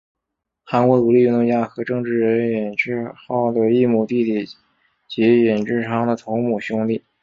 韩国独立运动家和政治人尹致昊的异母弟弟及尹致昌的同母亲兄。